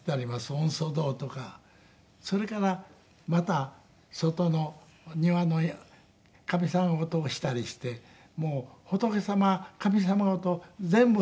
御祖堂とかそれからまた外の庭の神様事をしたりしてもう仏様神様事を全部するわけです。